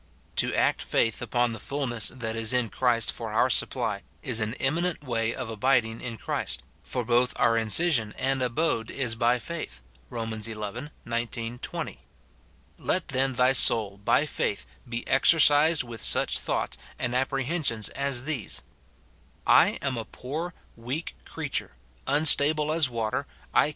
To act faith upon the fulness that is in Christ for our supply is an eminent way of abiding in Christ, for both our insition and abode is by faith, Rom. xi. 19, 20. Let, then, thy soul by faith be exer cised with such thoughts and apprehensions as these: " I am a poor, weak creature ; unstable as water, I can * Luke XV.